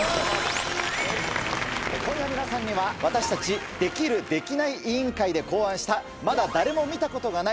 今夜皆さんには私たち「できる？できない？」委員会で考案したまだ誰も見たことがない